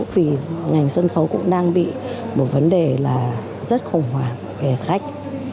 vì ngành sân khấu cũng đang bị một vấn đề là rất khủng hoảng về khách